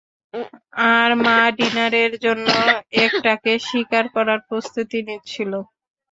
আর মা ডিনারের জন্য একটাকে শিকার করার প্রস্তুতি নিচ্ছিলো।